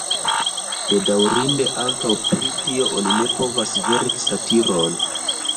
Bedaŭrinde ankaŭ pri tio oni ne povas verki satiron.